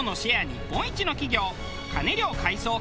日本一の企業。